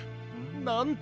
なんて